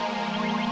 gigi gue ntar patah